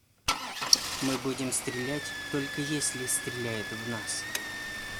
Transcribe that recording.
Мы будем стрелять, только если стреляют в нас.